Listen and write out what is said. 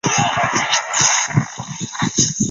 主任苏智良教授及其团队